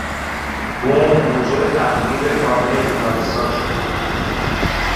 بمب موجب تخریب کامل بیمارستان شد.